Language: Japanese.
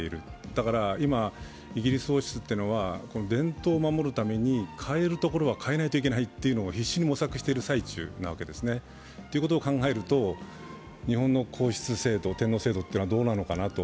だから今、イギリス王室というのは伝統を守るために変えるところは変えないといけないというのを必死に模索している最中というわけなんですね。ということを考えると日本の皇室制度、天皇制度はどうなのかなと。